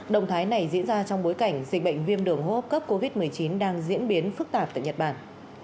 đồng thái này diễn ra trong bối cảnh dịch bệnh viêm đường hỗ cấp covid một mươi chín đang diễn biến phức tạp tại nhật bản